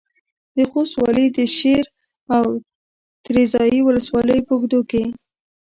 د خوست والي د شېر او تریزایي ولسوالیو په اوږدو کې